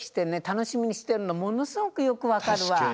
たのしみにしてるのものすごくよくわかるわ。